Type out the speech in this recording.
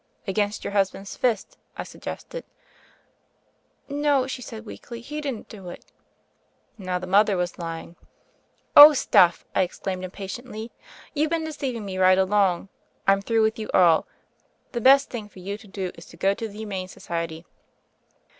"Against your husband's fist," I suggested. "No," she said weakly. "He didn't do it." Now the mother was lying. "Oh, stuff 1" I exclaimed impatiently. "You've been deceiving me right along. I'm through with you all. The best thing for you to do is to go to the Humane Society."